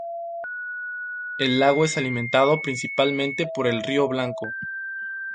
El lago es alimentado principalmente por el río Blanco.